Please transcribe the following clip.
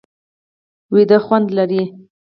ویده خوند لري